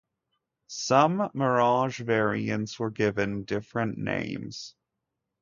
Some Mirage variants were given different names.